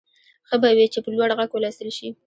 ښه به وي چې په لوړ غږ ولوستل شي.